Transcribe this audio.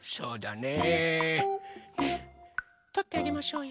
ねえとってあげましょうよ。